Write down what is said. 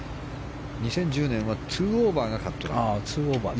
２０１０年は２オーバーがカットライン。